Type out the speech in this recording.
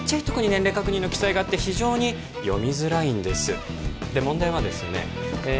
年齢確認の記載があって非常に読みづらいんですで問題はですねえ